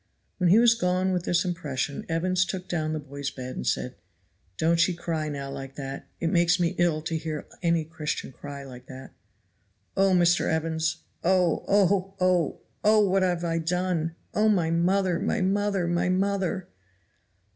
When he was gone with this impression, Evans took down the boy's bed and said: "Don't ye cry now like that; it makes me ill to hear any Christian cry like that." "Oh, Mr. Evans! oh! oh! oh! oh! What have I done? Oh, my mother! my mother! my mother!"